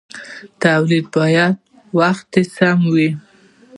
تولید باید وخت ته سم وي.